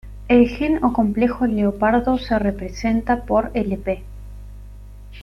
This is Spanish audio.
El gen o complejo leopardo se representa por Lp.